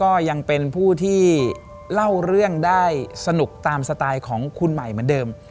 ก็ยังเป็นผู้ที่เล่าเรื่องได้สนุกตามสไตล์ของคุณใหม่เหมือนเดิม